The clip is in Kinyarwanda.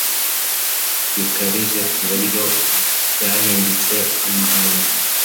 bikabije ku buryo byahindutse amahano.